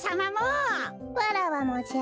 わらわもじゃ。